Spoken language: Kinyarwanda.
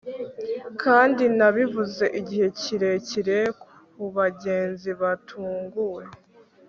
kandi, nabivuze igihe kirekire kubagenzi batunguwe